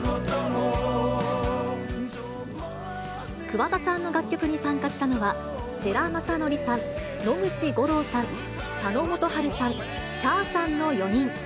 桑田さんの楽曲に参加したのは、世良公則さん、野口五郎さん、佐野元春さん、チャーさんの４人。